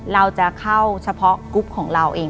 เราจะเข้าเฉพาะกรุ๊ปของเราเอง